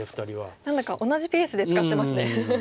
何だか同じペースで使ってますね。